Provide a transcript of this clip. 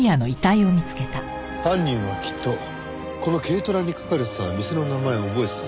犯人はきっとこの軽トラに書かれてた店の名前を覚えてたんですね。